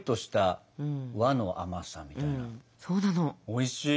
おいしい！